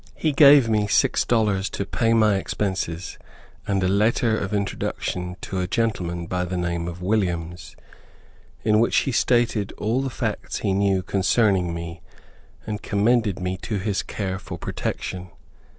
He gave me six dollars to pay my expenses, and a letter of introduction to a gentleman by the name of Williams, in which he stated all the facts he knew concerning me, and commended me to his care for protection.